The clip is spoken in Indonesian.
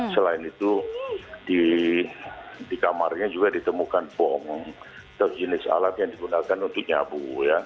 selain itu di kamarnya juga ditemukan bom atau jenis alat yang digunakan untuk nyabu